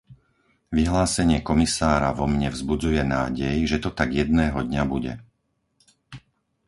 Vyhlásenie komisára vo mne vzbudzuje nádej, že to tak jedného dňa bude.